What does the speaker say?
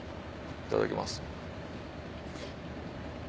いただきます。